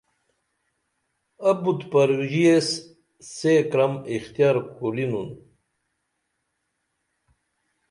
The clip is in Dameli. ابُت پروژی ایس سے کرم اختیار کُرینُن